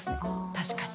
確かに。